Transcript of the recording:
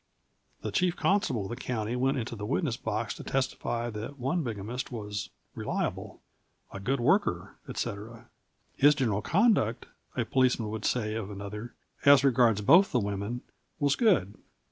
The chief constable of the county went into the witness box to testify that one bigamist was "reliable," "a, good worker," etc. "His general conduct," a policeman would say of another, "as regards both the women, was good."